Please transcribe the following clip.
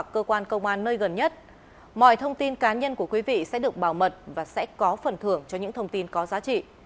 cơ quan công an nơi gần nhất mọi thông tin cá nhân của quý vị sẽ được bảo mật và sẽ có phần thưởng cho những thông tin có giá trị